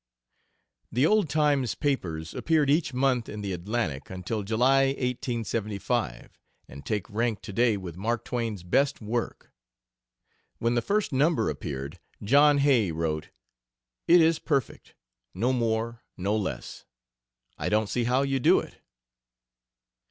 The "Old Times" papers appeared each month in the Atlantic until July, 1875, and take rank to day with Mark Twain's best work. When the first number appeared, John Hay wrote: "It is perfect; no more nor less. I don't see how you do it."